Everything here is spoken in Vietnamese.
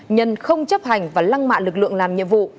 nhân không chấp hành và lăng mạ lực lượng làm nhiệm vụ